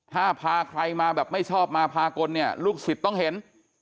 ถ้าพาใครมาแบบไม่ชอบมาพากลเนี่ยลูกศิษย์ต้องเห็น